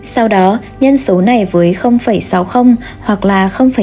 sau đó nhân số này với sáu mươi hoặc là tám mươi năm